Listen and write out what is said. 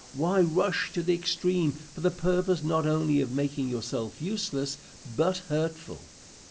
Why rush to the extreme for the purpose not only of making yourself useless but hurtful?